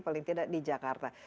paling tidak di jakarta